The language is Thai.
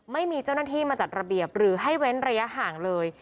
ไม่มีเจ้าหน้าที่มาจัดระเบียบหรือให้เว้นระยะห่างเลย